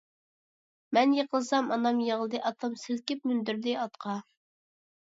مەن يىقىلسام ئانام يىغلىدى، ئاتام سىلكىپ مىندۈردى ئاتقا.